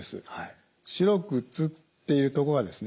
白く映っているところがですね